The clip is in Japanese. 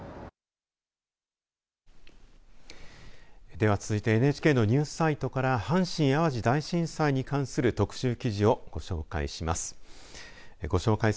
では続いてＮＨＫのニュースサイトから阪神・淡路大震災に関する特集記事をご紹介します。